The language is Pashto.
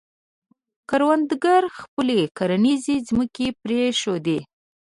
کروندګرو خپلې کرنیزې ځمکې پرېښودې.